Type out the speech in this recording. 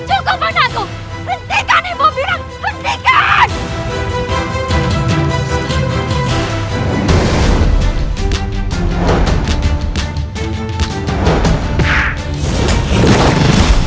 cukup anakku hentikan ibu mirang hentikan